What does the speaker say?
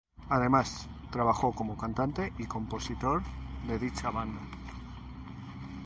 Además, trabajó como cantante y compositor de dicha banda.